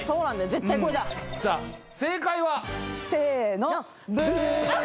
絶対これださあ正解はせーのブーッ！